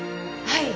はい。